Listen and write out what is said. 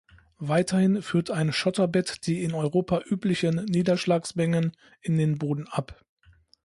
Weiterhin führt ein Schotterbett die in Europa üblichen Niederschlagsmengen in den Boden ab.